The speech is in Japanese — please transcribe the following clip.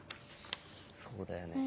そうだよね。